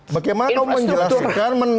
bagaimana kau menjelaskan